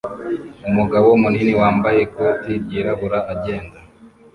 Umugabo munini wambaye ikoti ryirabura agenda